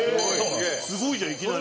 すごいじゃんいきなり！